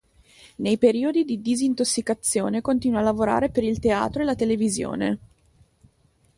Nei periodi di disintossicazione continua a lavorare per il teatro e la televisione.